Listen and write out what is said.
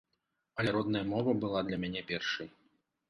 Але родная мова была для мяне першай.